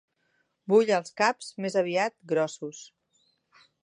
Vull els caps més aviat grossos.